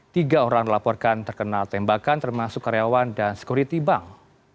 tiga orang melaporkan terkenal tembakan termasuk karyawan dan sekuriti bank